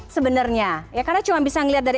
sebenarnya karena cuma bisa ngeliat dari